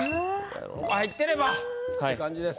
入ってればって感じです。